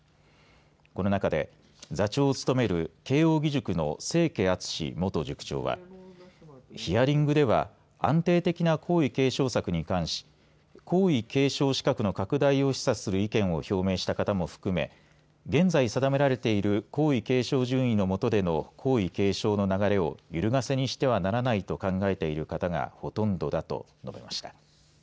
この中で座長を務める慶応義塾の清家篤元塾長はヒアリングでは安定的な皇位継承策に関し皇位継承資格の拡大を示唆する意見を表明した方も含め現在定められている皇位継承順位のもとでの皇位継承の流れをゆるがせにしてはならないと考えている方がほとんどだと述べました。